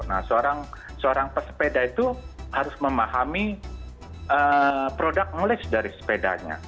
nah seorang pesepeda itu harus memahami product knowledge dari sepedanya